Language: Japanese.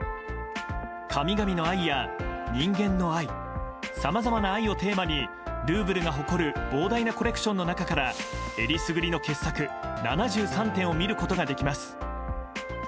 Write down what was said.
神々の愛や、人間の愛さまざまな愛をテーマにルーヴルが誇る膨大なコレクションの中からえりすぐりの傑作７３点を見ることができます。